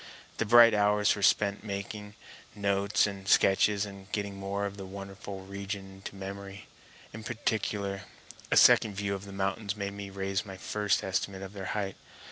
The bright hours were spent in making notes and sketches and getting more of the wonderful region into memory. In particular a second view of the mountains made me raise my first estimate of their height.